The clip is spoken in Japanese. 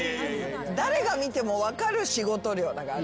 誰が見ても分かる仕事量だからね。